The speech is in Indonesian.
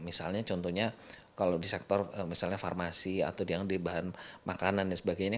misalnya contohnya kalau di sektor misalnya farmasi atau yang di bahan makanan dan sebagainya